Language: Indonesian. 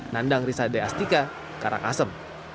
nandang risade astika karangasem